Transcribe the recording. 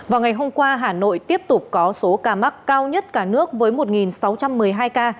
vào ngày hôm qua hà nội tiếp tục có số ca mắc cao nhất cả nước với một sáu trăm một mươi hai ca